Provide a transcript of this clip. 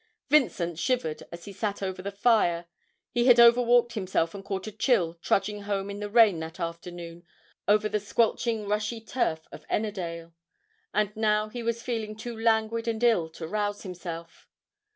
Vincent shivered as he sat over the fire; he had overwalked himself and caught a chill trudging home in the rain that afternoon over the squelching rushy turf of Ennerdale, and now he was feeling too languid and ill to rouse himself.